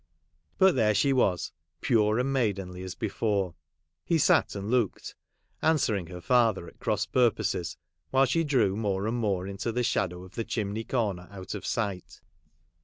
But there she was, pure and maidenly as before. He sat and looked, answering her father at cross purposes, while she drew more and more into the shadow of the chimney corner out of sight.